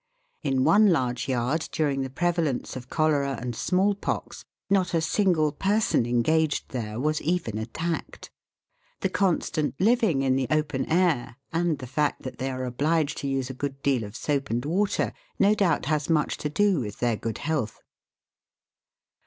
In one large yard during the prevalence of cholera and smallpox not a single person engaged there was even attacked. The constant living in the open air, and the fact that they are obliged to use a good deal of soap and water no doubt has much to do with their good health.